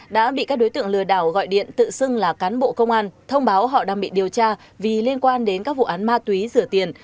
đã bị các đối tượng lừa đảo gọi điện tự xưng là cán bộ công an thông báo họ đang bị điều tra vì liên quan đến các vụ án ma túy rửa tiền